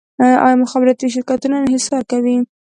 آیا مخابراتي شرکتونه انحصار کوي؟